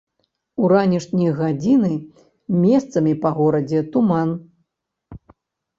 У ранішнія гадзіны месцамі па горадзе туман.